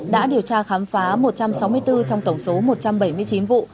đã điều tra khám phá một trăm sáu mươi bốn trong tổng số một trăm bảy mươi chín vụ